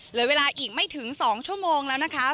เหลือเวลาอีกไม่ถึง๒ชั่วโมงแล้วนะคะ